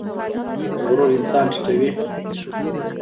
غرور انسان ټیټوي